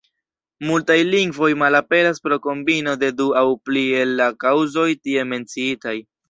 Multaj lingvoj malaperas pro kombino de du aŭ pli el la kaŭzoj tie menciitaj.